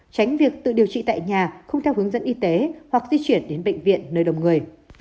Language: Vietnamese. tránh việc tự điều trị tại nhà không theo hướng dẫn y tế hoặc di chuyển đến bệnh viện nơi đông người